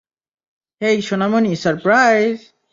হেই, সোনামণি, সারপ্রাইজ!